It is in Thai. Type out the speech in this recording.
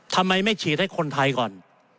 ทำไมไม่ฉีดให้คนไทยก่อน